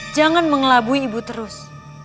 jangan mengelabui ibu terus